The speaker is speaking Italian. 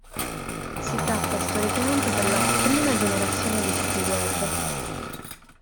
Si tratta storicamente della prima generazione di siti web.